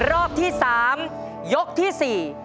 รอบที่๓ยกที่๔